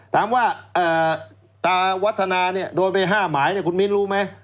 ตามว่าตาวัฒนานี่โดยไป๕หมายนี่คุณณมิ้นรู้มั้ย